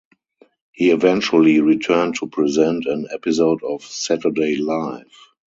He eventually returned to present an episode of "Saturday Live".